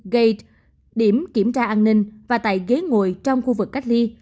gây điểm kiểm tra an ninh và tại ghế ngồi trong khu vực cách ly